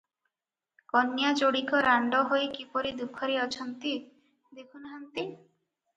କନ୍ୟା ଯୋଡ଼ିକ ରାଣ୍ଡ ହୋଇ କିପରି ଦୁଃଖରେ ଅଛନ୍ତି, ଦେଖୁ ନାହାନ୍ତି?